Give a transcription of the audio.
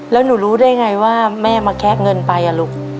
แล้วหนูรู้ได้ไงว่าแม่มาแคะเงินไปอ่ะลูก